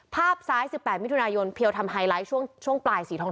ภาพซ้าย๑๘มิถุนายนเพียวทำไฮไลท์ช่วงปลายสีทอง